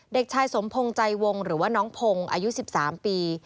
เด็กชายสมพงศ์ใจวงหรือว่าน้องพงศ์อายุ๑๓ปี